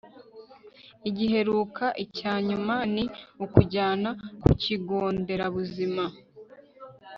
igiheruka(icyanyuma) ni ukujyana kukigonderabuzima